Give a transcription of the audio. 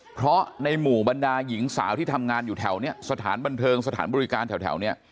เพราะในหมู่บรรดาหญิงสาวที่ทำงานอยู่แถวเนี่ยสถานบันเทิงสถานบริการแถวเนี่ย